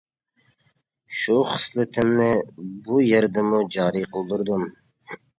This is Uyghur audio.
شۇ خىسلىتىمنى بۇ يەردىمۇ جارى قىلدۇردۇم.